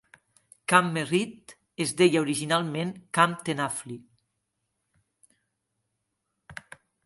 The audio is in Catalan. Camp Merritt es deia originalment Camp Tenafly.